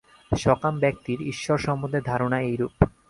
সকাম ব্যক্তির ঈশ্বর সম্বন্ধে ধারণা এইরূপ।